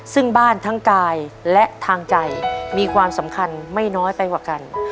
ซึ่งบ้านทั้งกายและทางใจมีความสำคัญไม่น้อยไปกว่ากัน